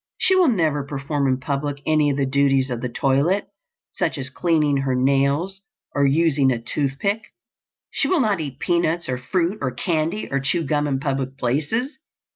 She will never perform in public any of the duties of the toilet, such as cleaning her nails or using a tooth pick. She will not eat peanuts or fruit or candy, or chew gum, in public places.